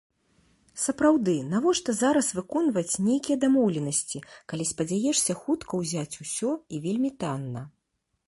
Сапраўды, навошта зараз выконваць нейкія дамоўленасці, калі спадзяешся хутка ўзяць усё і вельмі танна?